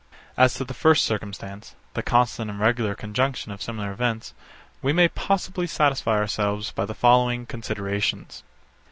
65. As to the first circumstance, the constant and regular conjunction of similar events, we may possibly satisfy ourselves by the following considerations.